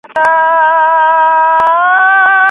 زده کړه تر هر څه ارزښتناکه ده.